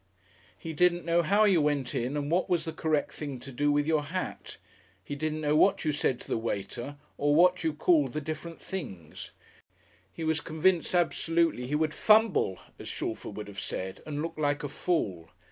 He didn't know how you went in and what was the correct thing to do with your hat, he didn't know what you said to the waiter or what you called the different things; he was convinced absolutely he would "fumble," as Shalford would have said, and look like a fool.